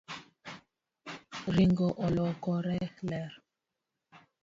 Ringo olokore ler